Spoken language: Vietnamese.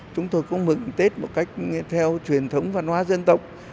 chúng tôi cũng mừng tết một cách theo truyền thống và nhoá dân tộc